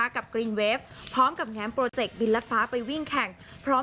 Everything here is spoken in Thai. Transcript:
กรีนเวฟพร้อมกับแง้มโปรเจกต์บินรัดฟ้าไปวิ่งแข่งพร้อม